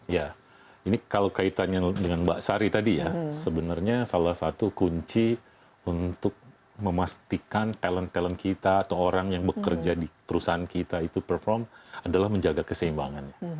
ya ini kalau kaitannya dengan mbak sari tadi ya sebenarnya salah satu kunci untuk memastikan talent talent kita atau orang yang bekerja di perusahaan kita itu perform adalah menjaga keseimbangannya